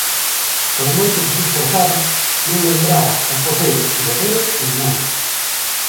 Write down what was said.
Por moito que se esforzaba non lembraba o Poceiro se bebera ou non.